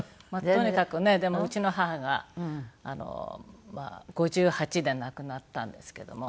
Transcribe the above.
とにかくねでもうちの母が５８で亡くなったんですけども。